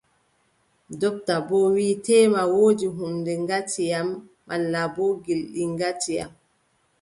Dopta boo wii teema woodi huunde ŋati yam, malla boo gilɗi gati yam.